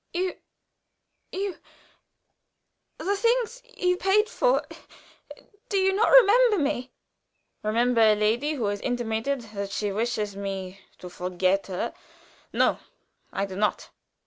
"You you the things you paid for. Do you not remember me?" "Remember a lady who has intimated that she wishes me to forget her? No, I do not."